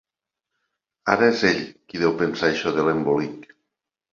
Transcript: Ara és ell, qui deu pensar això de l'embolic.